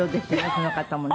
この方もね